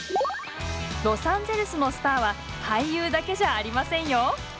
ロサンゼルスのスターは俳優だけじゃありませんよ。